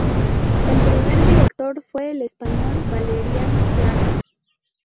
El primer director fue el español Valeriano Claros.